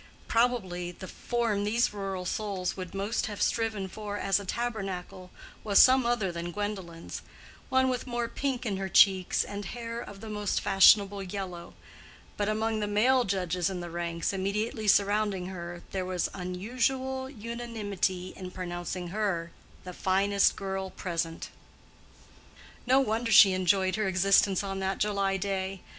Probably the form these rural souls would most have striven for as a tabernacle, was some other than Gwendolen's—one with more pink in her cheeks and hair of the most fashionable yellow; but among the male judges in the ranks immediately surrounding her there was unusual unanimity in pronouncing her the finest girl present. No wonder she enjoyed her existence on that July day.